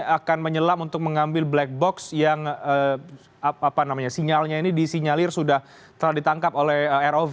akan menyelam untuk mengambil black box yang apa namanya sinyalnya ini disinyalir sudah telah ditangkap oleh rov